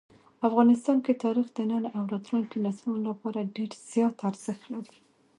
افغانستان کې تاریخ د نن او راتلونکي نسلونو لپاره ډېر زیات ارزښت لري.